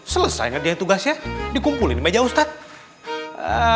selesai ngerjain tugasnya dikumpulin di meja ustadz